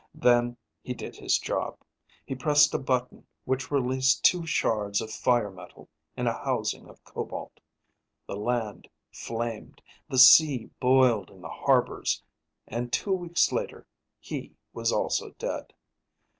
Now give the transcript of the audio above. Then he did his job: he pressed a button which released two shards of fire metal in a housing of cobalt. The land flamed. The sea boiled in the harbors. And two weeks later he was also dead.